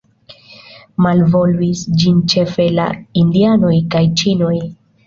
Malvolvis ĝin ĉefe la Indianoj kaj Ĉinoj.